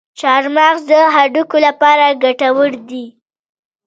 چارمغز د هډوکو لپاره ګټور دی.